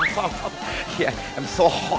ผมแย่มาก